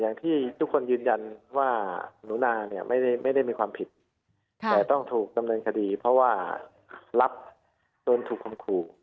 อย่างที่ทุกคนยืนยันว่าหนูนาเนี่ยไม่ได้มีความผิดแต่ต้องถูกดำเนินคดีเพราะว่ารับโดนถูกคมขู่